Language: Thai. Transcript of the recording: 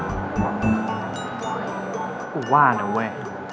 กูว่านะเว้ย